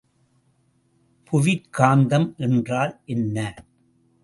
புவிக்காந்தம் என்றால் என்ன?